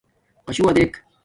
قَشُوّا دݵک.